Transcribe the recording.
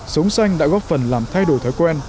sống xanh đã góp phần làm thay đổi thói quen